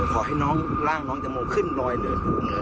ขอให้ร่างน้องแต่โมขึ้นรอยเหนือทุ่มเหนือ